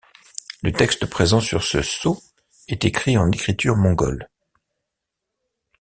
Le texte présent sur ce sceau est écrit en écriture mongole.